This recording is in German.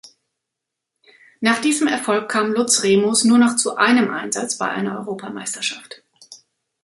Nach diesem Erfolg kam Lutz Remus nur noch zu einem Einsatz bei einer Europameisterschaft.